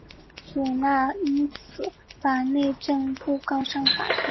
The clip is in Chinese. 祖纳因此把内政部告上法庭。